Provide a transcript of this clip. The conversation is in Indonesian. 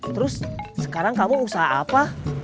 terus sekarang kamu usaha apa